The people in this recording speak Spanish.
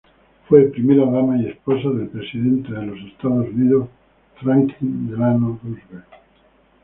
Fue primera dama y esposa del presidente de los Estados Unidos Franklin Delano Roosevelt.